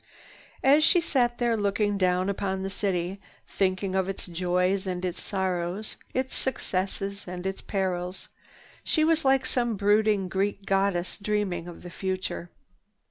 As she sat there looking down upon the city, thinking of its joys and its sorrows, its successes and its perils, she was like some brooding Greek goddess dreaming of the future.